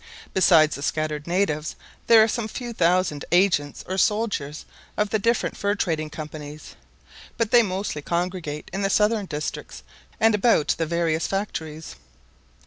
Besides the scattered natives, there are some few thousand agents or soldiers of the different fur trading companies; but they mostly congregate in the southern districts and about the various factories.